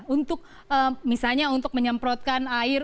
untuk misalnya untuk menyemprotkan air